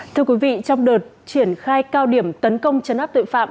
thưa quý vị trong đợt triển khai cao điểm tấn công chấn áp tội phạm